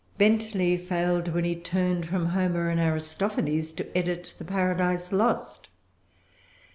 Bentley failed when he turned from Homer and Aristophanes, to edit the Paradise Lost.